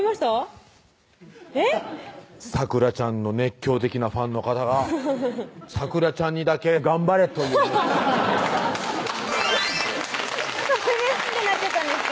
咲楽ちゃんの熱狂的なファンの方が咲楽ちゃんにだけ「頑張れ」というそれで不機嫌になっちゃったんですか？